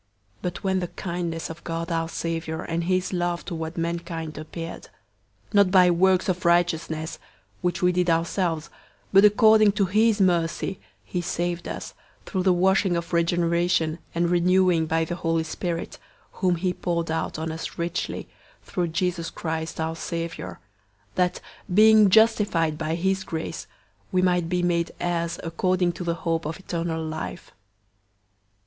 003:004 But when the kindness of God our Savior and his love toward mankind appeared, 003:005 not by works of righteousness, which we did ourselves, but according to his mercy, he saved us, through the washing of regeneration and renewing by the Holy Spirit, 003:006 whom he poured out on us richly, through Jesus Christ our Savior; 003:007 that, being justified by his grace, we might be made heirs according to the hope of eternal life.